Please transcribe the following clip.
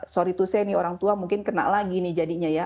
sorry to say nih orang tua mungkin kena lagi nih jadinya ya